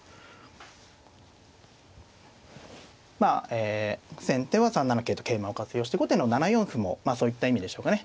え先手は３七桂と桂馬を活用して後手の７四歩もまあそういった意味でしょうかね。